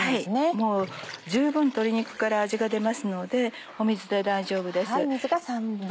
もう十分鶏肉から味が出ますので水で大丈夫です。